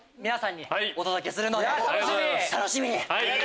楽しみに。